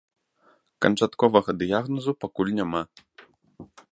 Канчатковага дыягназу пакуль няма.